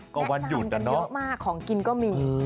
ก็วันหยุดนะเนอะค่ะของกินก็มี